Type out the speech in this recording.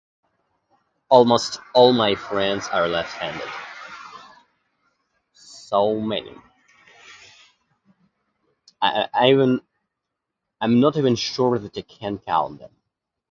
Almost all my friends are left-handed. So many. I I even... I'm not even sure that I can count them.